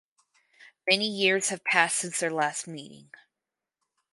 Many years have passed since their last meeting.